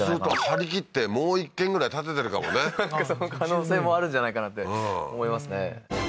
はりきってもう一軒ぐらい建ててるかもねその可能性もあるんじゃないかなって思いますね